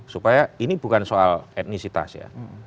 supaya ini bukan soal etnisitas ya